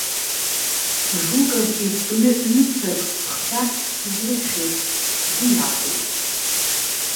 Жуков изкны ҩымҭак, хқәак дсызрыԥхьеит, сгәы иахәеит.